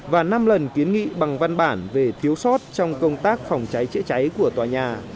và năm lần kiến nghị bằng văn bản về thiếu sót trong công tác phòng cháy chữa cháy của tòa nhà